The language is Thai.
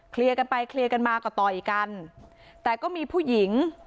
กันไปเคลียร์กันมาก็ต่อยกันแต่ก็มีผู้หญิง